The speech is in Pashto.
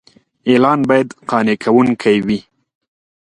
اعلان باید قانع کوونکی وي.